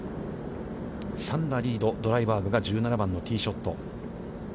３打リード、ドライバーグが１７番のティーショット。